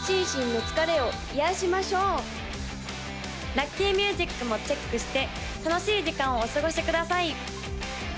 ・ラッキーミュージックもチェックして楽しい時間をお過ごしください